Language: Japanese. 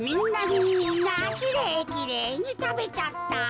みんなきれいきれいにたべちゃった。